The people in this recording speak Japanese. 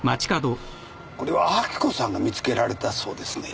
これは明子さんが見つけられたそうですね？